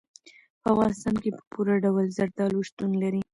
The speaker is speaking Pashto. په افغانستان کې په پوره ډول زردالو شتون لري.